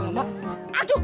aduh kok tidak aku aja masuk